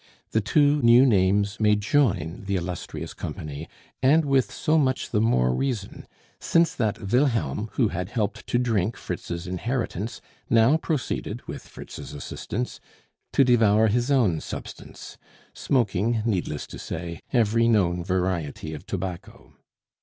The two new names may join the illustrious company, and with so much the more reason, since that Wilhelm who had helped to drink Fritz's inheritance now proceeded, with Fritz's assistance, to devour his own substance; smoking, needless to say, every known variety of tobacco.